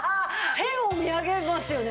天を見上げますよね。